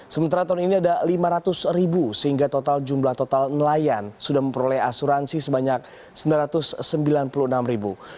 sementara tahun ini ada lima ratus ribu sehingga jumlah total nelayan sudah memperoleh asuransi sebanyak sembilan ratus sembilan puluh enam ribu